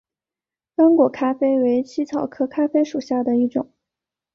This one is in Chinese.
刚果咖啡为茜草科咖啡属下的一个种。